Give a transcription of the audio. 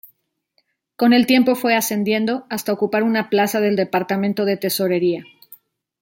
Con el tiempo fue ascendiendo, hasta ocupar una plaza del departamento de tesorería.